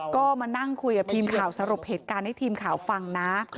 ก็มานั่งคุยกับทีมข่าวสรุปเหตุการณ์ให้ทีมข่าวฟังนะ